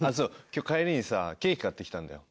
今日帰りにさケーキ買ってきたんだよ。